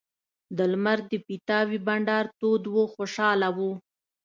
د لمر د پیتاوي بنډار تود و خوشاله وو.